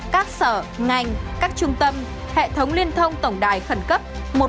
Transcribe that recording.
các sở ngành các trung tâm hệ thống liên thông tổng đài khẩn cấp một trăm một mươi ba một trăm một mươi bốn một trăm một mươi năm